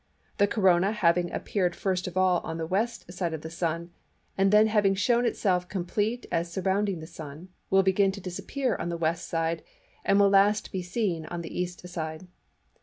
The Corona having appeared first of all on the W. side of the Sun, then having shown itself complete as surrounding the Sun, will begin to disappear on the W. side, and will be last seen on the E. side.